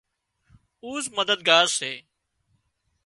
اُوزمددگار سي